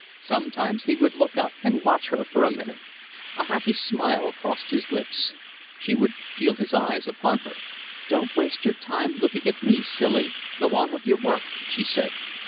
Sometimes he would look up and watch her for a minute. A happy smile crossed his lips. She would feel his eyes upon her. "Don't waste your time looking at me, silly. Go on with your work," she said.